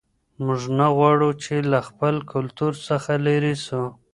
موږ نه غواړو چې له خپل کلتور څخه لیرې سو.